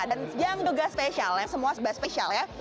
dan jangan duga spesial ya semua spesial ya